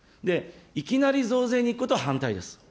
いきなり増税にいくことは反対です。